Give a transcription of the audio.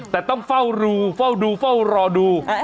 แต่ต้องเฝ้ารูเฝ้าดูเฝ้ารอดู